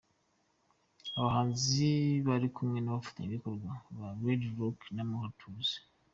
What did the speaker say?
Abahanzi bari kumwe n'abafatanyabikorwa ba Red Rocks na Amahoro Tours.